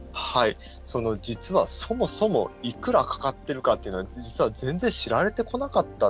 実は、そもそもいくらかかってるかというのは実は全然、知られてこなかった。